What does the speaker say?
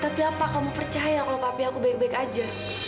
tapi apa kamu percaya kalau papi aku baik baik aja